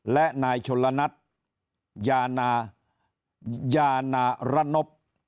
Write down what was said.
และนายชนลณัทยานารนพ